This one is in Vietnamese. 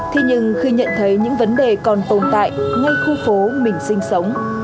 thế nhưng khi nhận thấy những vấn đề còn tồn tại ngay khu phố mình sinh sống